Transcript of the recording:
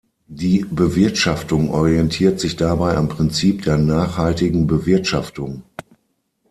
Die Bewirtschaftung orientiert sich dabei am Prinzip der nachhaltigen Bewirtschaftung.